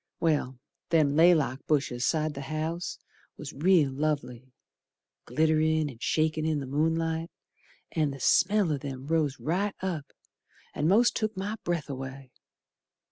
Well, them laylock bushes side o' th' house Was real lovely. Glitt'rin' and shakin' in the moonlight, An' the smell o' them rose right up An' most took my breath away.